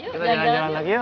kita jalan jalan lagi ya